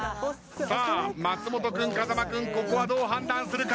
松本君風間君ここはどう判断するか？